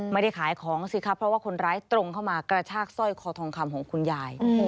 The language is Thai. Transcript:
ไม่ได้ขายของสิครับเพราะว่าคนร้ายตรงเข้ามากระชากสร้อยคอทองคำของคุณยาย